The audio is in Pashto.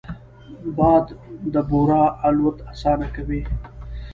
باد د بورا الوت اسانه کوي